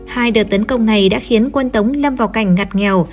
hai đợt tấn công này đã khiến quân tống lâm vào cảnh ngặt nghèo